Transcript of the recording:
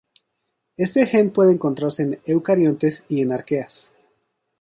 Este gen puede encontrarse en eucariontes y en arqueas.